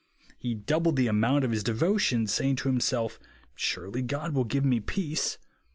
He doubled the amount of his devotions, saying to himsolf. Surely God will give me peace.